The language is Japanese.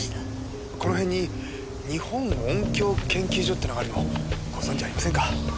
この辺に日本音響研究所ってのがあるのをご存じありませんか？